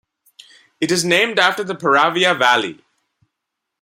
It is named after the Peravia Valley.